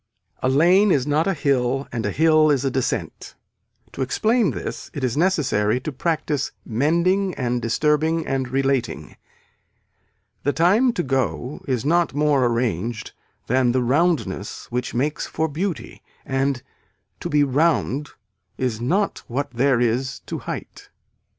A lane is not a hill and a hill is a descent. To explain this it is necessary to practice mending and disturbing and relating. The time to go is not more arranged than the roundness which makes for beauty and to be round is not what there is to height.